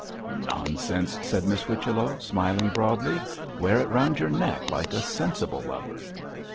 'Nonsense!' said Miss Whichello, smiling broadly; 'wear it round your neck like a sensible lover.'